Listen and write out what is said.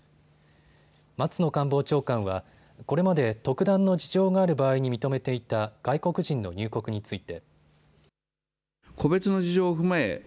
松野官房長官はこれまで特段の事情がある場合に認めていた外国人の入国について。